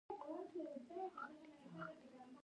هغه هېوادونه چې نفت نه لري ورته عواید لري.